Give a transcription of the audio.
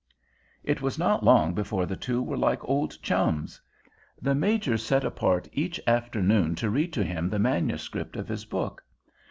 It was not long before the two were like old chums. The Major set apart each afternoon to read to him the manuscript of his book.